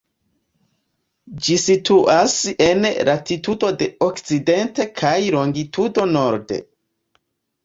Ĝi situas en latitudo de okcidente kaj longitudo norde.